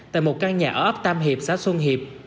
tại một căn nhà ở ấp tam hiệp xã xuân hiệp